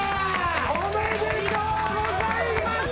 おめでとうございます。